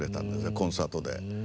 コンサートで。